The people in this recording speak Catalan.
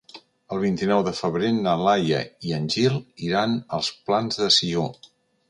El vint-i-nou de febrer na Laia i en Gil iran als Plans de Sió.